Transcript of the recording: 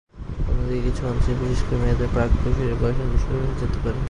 অন্যদিকে কিছু মানুষের, বিশেষ করে মেয়েদের প্রাক-কৈশোরেই বয়ঃসন্ধি শুরু হয়ে যেতে পারে।